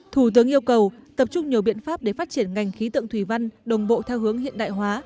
thủ tướng yêu cầu tập trung nhiều biện pháp để phát triển ngành khí tượng thủy văn đồng bộ theo hướng hiện đại hóa